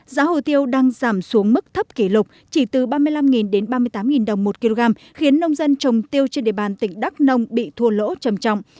giá hồ tiêu đang giảm xuống mức thấp kỷ lục chỉ từ ba mươi năm đến ba mươi tám đồng một kg khiến nông dân trồng tiêu trên địa bàn tỉnh đắk nông bị thua lỗ trầm trọng